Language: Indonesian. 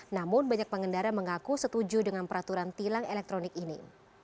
namun banyak pengendara mengaku setuju dengan peraturan tilang elektronik ini